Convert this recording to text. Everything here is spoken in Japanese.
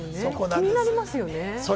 気になりますよね。